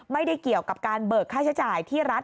ไม่ได้เกี่ยวกับการเบิกค่าใช้จ่ายที่รัฐ